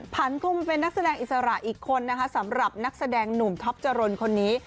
พันตัวมาเป็นนักแสดงอิสระอีกคนนะคะสำหรับนักแสดงหนุ่มท็อปจรนคนนี้